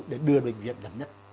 để đưa bệnh viện gần nhất